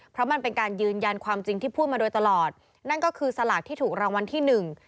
เพราะมันเป็นการยืนยันความจริงที่พูดมาโดยตลอดนั่นก็คือสลากที่ถูกรางวัลที่หนึ่ง